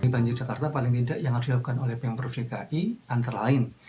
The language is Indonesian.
banjir jakarta paling tidak yang harus dilakukan oleh pemprov dki antara lain